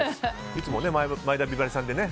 いつも前田美波里さんでね。